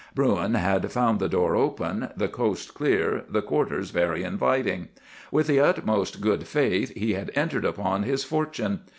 Bruin had found the door open, the coast clear, the quarters very inviting. With the utmost good faith he had entered upon his fortune.